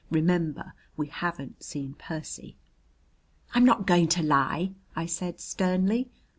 Remember, we haven't seen Percy." "I'm not going to lie," I said sternly.